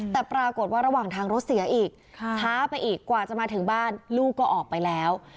แต่ปรากฏว่าระหว่างทางรถเสียอีกช้าไปอีกกว่าจะมาถึงบ้านลูกก็ออกไปแล้ว